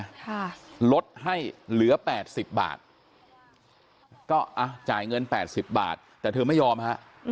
ค่ะลดให้เหลือแปดสิบบาทก็อ่ะจ่ายเงินแปดสิบบาทแต่เธอไม่ยอมฮะ